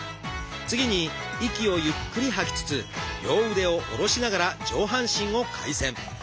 次に息をゆっくり吐きつつ両腕を下ろしながら上半身を回旋。